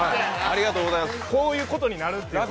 こういうことになるっていう。